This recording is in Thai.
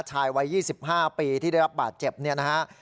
วัย๒๕ปีที่ได้รับบาดเจ็บเนี่ยนะฮะ